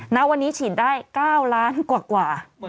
ณวันนี้ฉีดได้๙ล้านกว่า